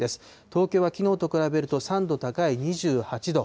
東京はきのうと比べると、３度高い２８度。